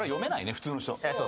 普通の人。